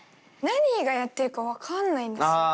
何がやってるか分かんないんです。